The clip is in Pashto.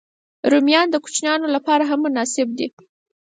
رومیان د کوچنيانو لپاره هم مناسب دي